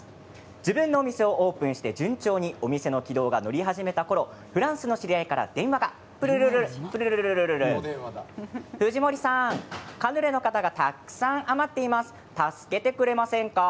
自分のお店をオープンして順調にお店が軌道に乗り始めたころフランスの知り合いから電話がトゥルルル藤森さんカヌレの型がたくさん余っています助けてくれませんか。